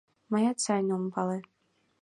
Мыят сайын ом пале.